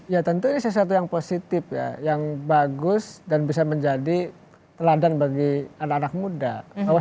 ya tentu ini sesuatu yang positif ya yang bagus dan bisa menjadi teladan bagi anak anak muda